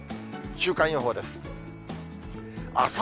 週間予報です。